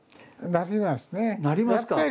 なりますね。